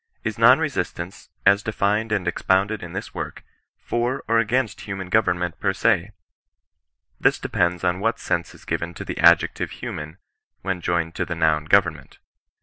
Is non resistance, as defined and expounded in this work, for or against human government ^er se ? This depends on what sense is given to the adjective human when joined to the noun government.